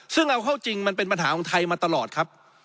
ซึ่งเอาเข้าจริงมันเป็นปัญหาของไทยมาตลอดครับ